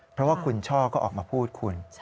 เพราะว่าคุณช่อก็ออกมาพูดคุณ